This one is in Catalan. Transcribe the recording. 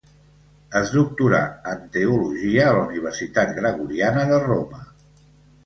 Es doctorà en teologia a la Universitat Gregoriana de Roma.